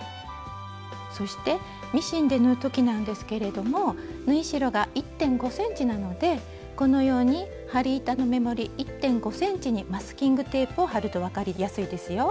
そしてミシンで縫う時なんですけれども縫い代が１．５ｃｍなのでこのように針板のメモリ１．５ｃｍにマスキングテープを貼ると分かりやすいですよ。